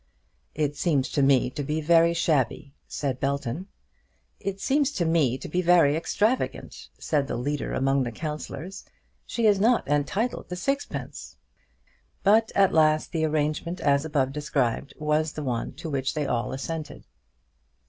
"It seems to me to be very shabby," said William Belton. "It seems to me to be very extravagant," said the leader among the counsellors. "She is not entitled to sixpence." But at last the arrangement as above described was the one to which they all assented.